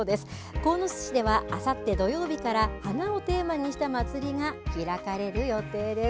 鴻巣市ではあさって土曜日から花をテーマにした祭りが開かれる予定です。